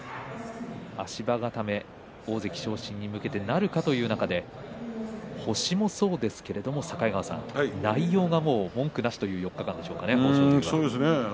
足場固め大関昇進に向けてなるかという中で星もそうですけれど、境川さん内容は文句なしというそうですね。